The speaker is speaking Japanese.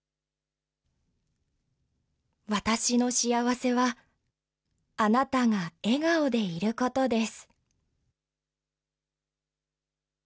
わたしのしあわせはあなたが笑顔でいることです。